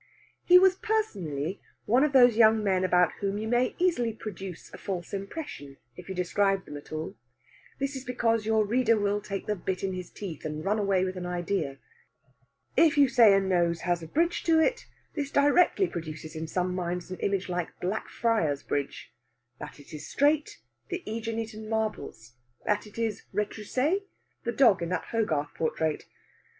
He was personally one of those young men about whom you may easily produce a false impression if you describe them at all. This is because your reader will take the bit in his teeth, and run away with an idea. If you say a nose has a bridge to it, this directly produces in some minds an image like Blackfriars Bridge; that it is straight, the Æginetan marbles; that it is retroussé, the dog in that Hogarth portrait.